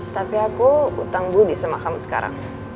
tapi aku utang budi sama kamu sekarang